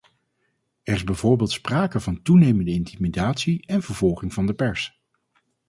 Er is bijvoorbeeld sprake van toenemende intimidatie en vervolging van de pers.